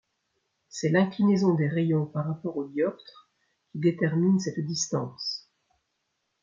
C'est l'inclinaison des rayons par rapport aux dioptres qui détermine cette distance.